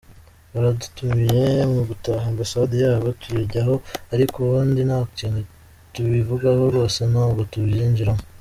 Baradutumiye mu gutaha ambasade yabo tujyayo, ariko ubundi nta kintu tubivugaho rwose, ntabwo tubyinjiramo.